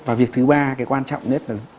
và việc thứ ba cái quan trọng nhất là